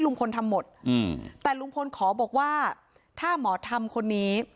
ลุงพลทำหมดอืมแต่ลุงพลขอบอกว่าถ้าหมอทำคนนี้